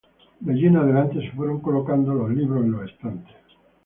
De allí en adelante, se fueron ubicando los libros en los estantes.